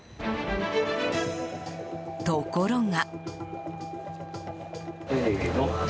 ところが。